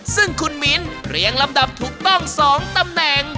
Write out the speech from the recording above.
ซึ่งคุณมิ้นท์เรียงลำดับถูกต้อง๒ตำแหน่ง